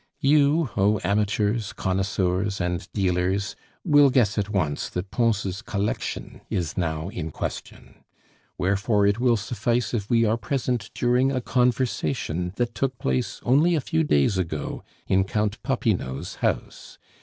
You, O amateurs, connoisseurs, and dealers, will guess at once that Pons' collection is now in question. Wherefore it will suffice if we are present during a conversation that took place only a few days ago in Count Popinot's house.